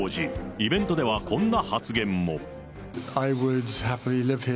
イベントではこんな発言も。